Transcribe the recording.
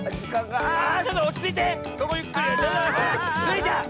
あ！スイちゃん！